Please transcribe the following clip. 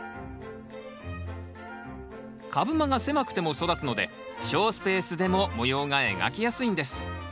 株間が狭くても育つので小スペースでも模様が描きやすいんです。